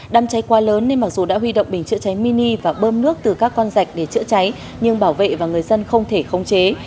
đám cháy qua lớn nên mặc dù đã huy động bình chữa cháy mini và bơm nước từ các con rạch để chữa cháy nhưng bảo vệ và người dân không thể khống chế